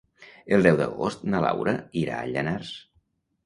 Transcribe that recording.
El deu d'agost na Laura irà a Llanars.